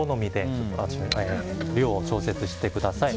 一味の量を調節してください。